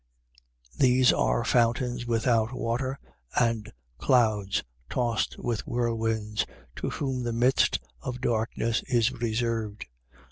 2:17. These are fountains without water and clouds tossed with whirlwinds, to whom the mist of darkness is reserved.